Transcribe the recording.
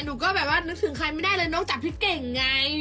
หนูก็แบบว่านึกถึงใครไม่ได้เลยนอกจากพี่เก่งไง